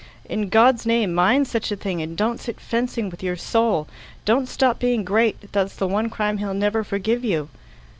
In God's name, mind such a thing, and don't sit fencing with your soul. Don't stop being great; that's the one crime he'll never forgive you."